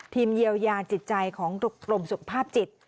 เยียวยาจิตใจของกรมสุขภาพจิต